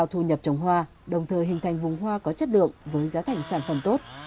thu nhập trồng hoa đồng thời hình thành vùng hoa có chất lượng với giá thành sản phẩm tốt